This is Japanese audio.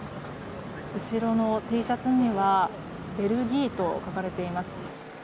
後ろのＴシャツにはベルギーと書かれています。